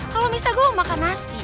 kalau misalnya gue mau makan nasi